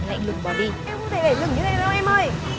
con không nhớ